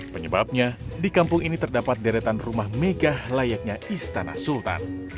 penyebabnya di kampung ini terdapat deretan rumah megah layaknya istana sultan